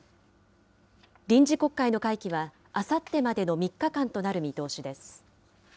臨時国会の会期は、あさってまでの３日間となる見通しです。